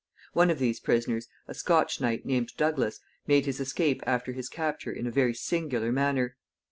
One of these prisoners, a Scotch knight named Douglas, made his escape after his capture in a very singular manner.